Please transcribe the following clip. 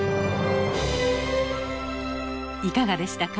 いかがでしたか？